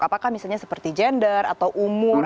apakah misalnya seperti gender atau umur